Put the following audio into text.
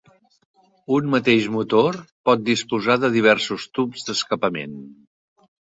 Un mateix motor pot disposar de diversos tubs d'escapament.